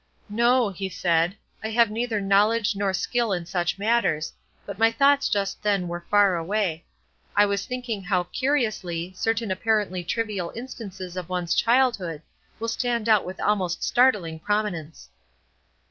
"No," he said; "I have neither knowledge nor skill in such matters, but my thoughts just then were far away; I was thinking how curiously, certain apparently trivial instances of one's childhood will stand out with almost startling prominence."